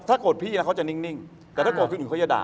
ถ้าโกรธพี่เขาจะนิ่งแต่ถ้าโกรธอื่นอื่นเขาจะด่า